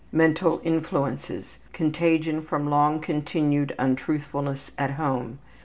Mental influences: Contagion from long continued untruthfulness at home.